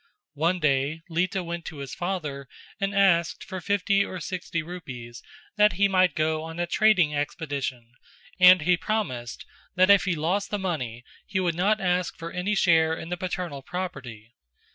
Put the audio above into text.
One day Lita went to his father and asked for fifty or sixty rupees that he might go on a trading expedition and he promised that if he lost the money he would not ask for any share in the paternal property.